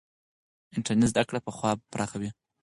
انټرنېټ زده کړه پراخوي.